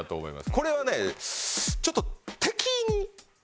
これはねちょっと。